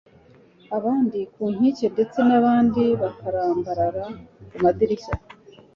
abandi ku nkike, ndetse abandi bakarambarara ku madirishya